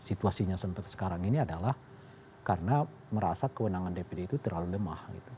dan situasinya seperti sekarang ini adalah karena merasa kewenangan dpr itu terlalu lemah